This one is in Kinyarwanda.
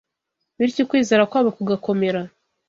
bityo ukwizera kwabo kugakomera